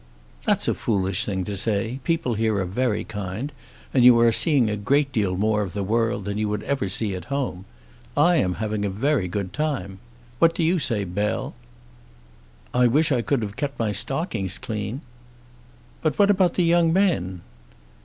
"That's a foolish thing to say. People here are very kind, and you are seeing a great deal more of the world than you would ever see at home. I am having a very good time. What do you say, Bell?" "I wish I could have kept my stockings clean." "But what about the young men?"